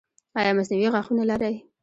ایا مصنوعي غاښونه لرئ؟